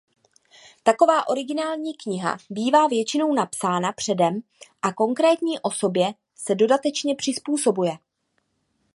Taková originální kniha bývá většinou napsána předem a konkrétní osobě se dodatečně přizpůsobuje.